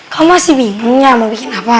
kamu masih bingungnya mau bikin apa